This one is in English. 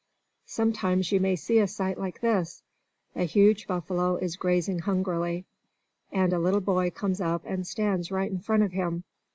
Sometimes you may see a sight like this: A huge buffalo is grazing hungrily, and a little boy comes up and stands right in front of him.